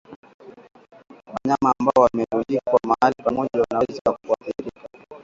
Wanyama ambao wamerundikwa mahali pamoja wanaweza kuathirika